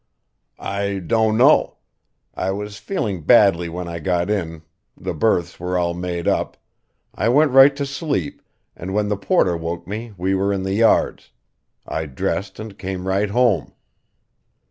"I don't know. I was feeling badly when I got in the berths were all made up I went right to sleep and when the porter woke me we were in the yards. I dressed and came right home."